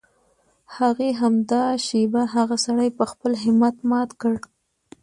هغې همدا شېبه هغه سړی په خپل همت مات کړ.